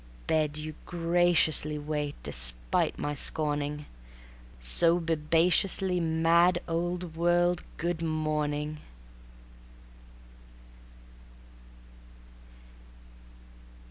Bed, you graciously Wait, despite my scorning ... So, bibaciously Mad old world, good morning.